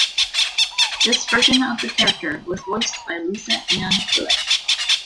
This version of the character was voiced by Lisa Ann Beley.